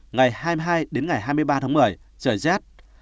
ngày hai mươi hai đến ngày hai mươi ba tháng một mươi trời rét